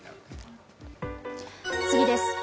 次です。